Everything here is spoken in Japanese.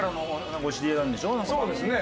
そうですね。